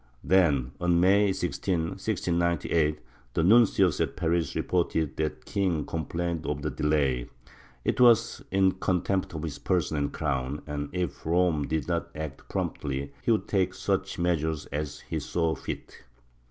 Then, on May 16, 1698, the nuncio at Paris reported that the king complained of the delay; it was in contempt of his person and crown, and if Rome did not act promptly he would take such measures as he saw fit.